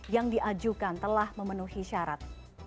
yang diajukan telah memenuhi syarat